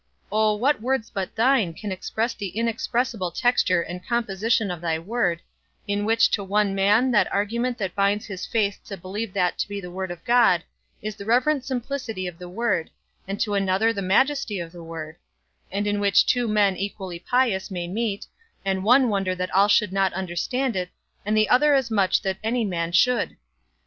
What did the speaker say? O, what words but thine can express the inexpressible texture and composition of thy word, in which to one man that argument that binds his faith to believe that to be the word of God, is the reverent simplicity of the word, and to another the majesty of the word; and in which two men equally pious may meet, and one wonder that all should not understand it, and the other as much that any man should.